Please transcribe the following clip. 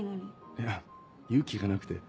いや勇気がなくて。